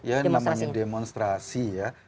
ya namanya demonstrasi ya